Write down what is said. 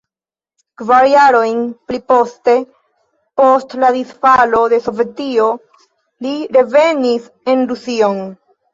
Kvar jarojn pliposte, post la disfalo de Sovetio, li revenis en Rusion.